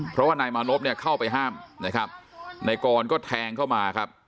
เพราะว่านายมานพเนี่ยเข้าไปห้ามนะครับนายกรก็แทงเข้ามาครับ